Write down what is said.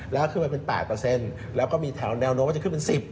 แล้วก็ขึ้นไปเป็น๘แล้วก็มีแถวแนวโน้มว่าจะขึ้นเป็น๑๐